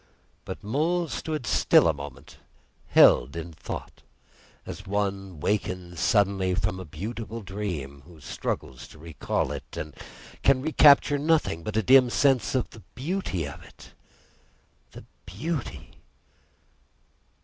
But Mole stood still a moment, held in thought. As one wakened suddenly from a beautiful dream, who struggles to recall it, and can re capture nothing but a dim sense of the beauty of it, the beauty!